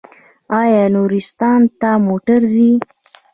آیا نورستان ته موټر ځي؟